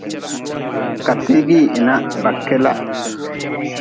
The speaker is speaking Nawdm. Kategin hina ba kela.